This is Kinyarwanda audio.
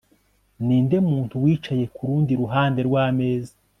Ninde muntu wicaye kurundi ruhande rwameza